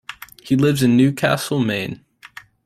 He lives in Newcastle, Maine.